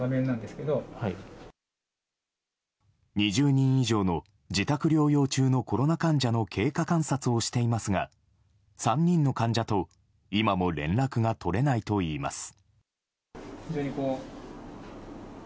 ２０人以上の自宅療養中のコロナ患者の経過観察をしていますが３人の患者と今も連絡が取れないといいます。